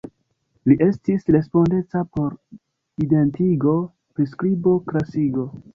Li estis respondeca por identigo, priskribo, klasigo.